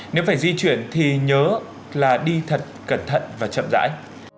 nếu phải di chuyển thì nhớ là đi thật cẩn thận và chậm rãi